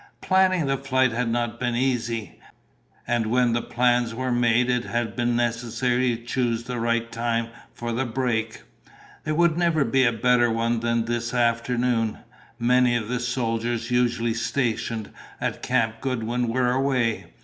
Planning the flight had not been easy. And when the plans were made it had been necessary to choose the right time for the break. There would never be a better one than this afternoon. Many of the soldiers usually stationed at Camp Goodwin were away.